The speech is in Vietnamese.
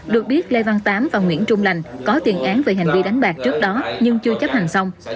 được biết lê văn tám và nguyễn trung lành có tiền án về hành vi đánh bạc trước đó nhưng chưa chấp hành xong